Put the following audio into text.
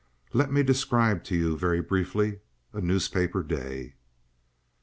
Let me describe to you, very briefly, a newspaper day.